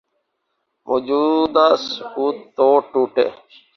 موجودہ سکوت تو ٹوٹے۔